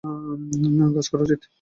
কাজ করা উচিত।